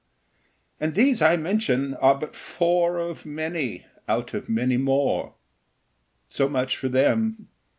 And these I mention are but four Of many out of many more. So much for them.